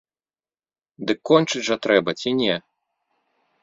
Дык кончыць жа трэба ці не?